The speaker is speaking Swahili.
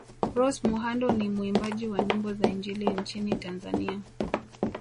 Rose Muhando ni muimbaji wa nyimbo za injili nchini Tanzania